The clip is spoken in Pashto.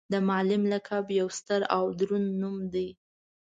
د معلم لقب یو ستر او دروند نوم دی.